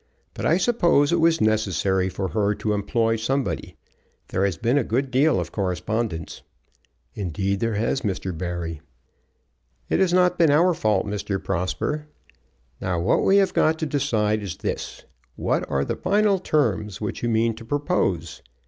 But I suppose it was necessary for her to employ somebody. There has been a good deal of correspondence." "Indeed there has, Mr. Barry." "It has not been our fault, Mr. Prosper. Now what we have got to decide is this: What are the final terms which you mean to propose?